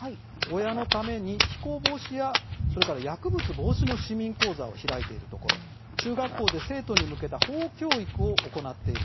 親のために、非行防止や薬物防止の市民講座を開いているところ中学校で生徒に向けた法教育を行っている